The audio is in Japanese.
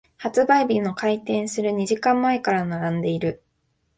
発売日の開店する二時間前から並んでいる。